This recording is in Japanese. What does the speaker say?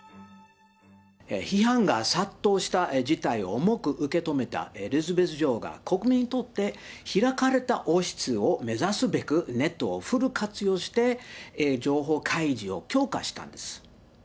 批判が殺到した事態を重く受け止めたエリザベス女王が、国民にとって開かれた王室を目指すべく、ネットをフル活用して、情報開示を強化したんです。